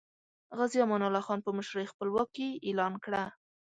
غازی امان الله خان په مشرۍ خپلواکي اعلان کړه.